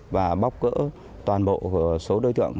và bóc cỡ toàn bộ số đối tượng